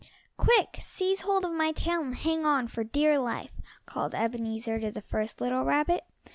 "Quick, seize hold of my tail and hang on for dear life," called Ebenezer to the first little rabbit.